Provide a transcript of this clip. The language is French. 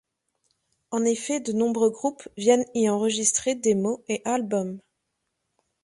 En effet, de nombreux groupes viennent y enregistrer démos et albums.